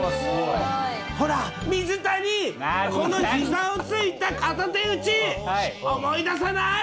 ほら、水谷、このひざをついた片手打ち、思い出さない？